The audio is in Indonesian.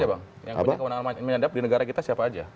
yang kemudian kewenangan penyadap di negara kita siapa saja